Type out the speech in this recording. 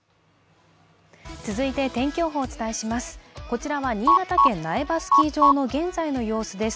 続いて天気予報をお伝えします。